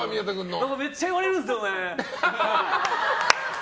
めっちゃ言われるんですよね。